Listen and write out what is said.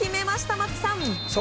松木さん。